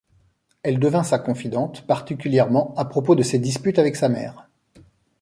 Elle devient sa confidente, particulièrement à propos de ses disputes avec sa mère.